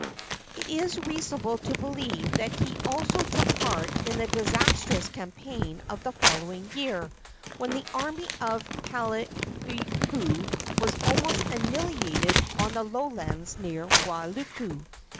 It is reasonable to believe that he also took part in the disastrous campaign of the following year, when the army of Kalaniopuu was almost annihilated on the lowlands near Wailuku.